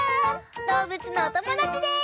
どうぶつのおともだちです！